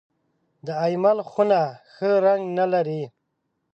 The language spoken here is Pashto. د اېمل خونه ښه رنګ نه لري .